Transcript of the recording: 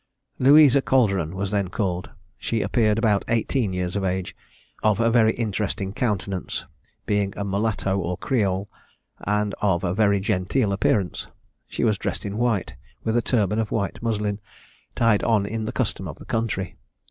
Louisa Calderon was then called. She appeared about eighteen years of age, of a very interesting countenance, being a Mulatto or Creole, and of a very genteel appearance. She was dressed in white, with a turban of white muslin, tied on in the custom of the country.